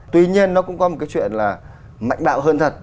tuy nhiên nó cũng có một cái chuyện là mạnh bạo hơn thật